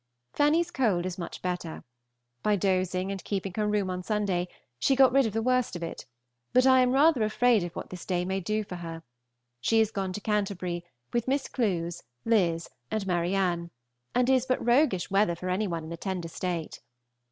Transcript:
Fanny's cold is much better. By dosing and keeping her room on Sunday, she got rid of the worst of it, but I am rather afraid of what this day may do for her; she is gone to Canty. with Miss Clewes, Liz., and Ma^{rnne}, and it is but roughish weather for any one in a tender state.